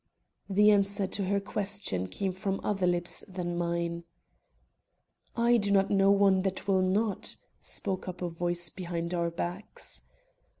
The answer to her question came from other lips than mine. "I do not know one that will not," spoke up a voice behind our backs.